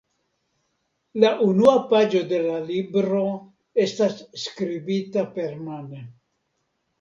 La unua paĝo de la libro estas skribita permane.